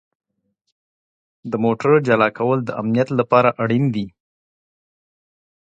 د موټر جلا کول د امنیت لپاره اړین دي.